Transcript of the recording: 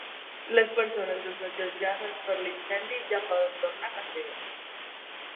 Les persones desallotjades per l'incendi ja poden tornar a casa seva.